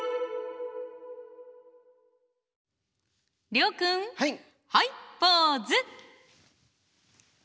諒君はいポーズ！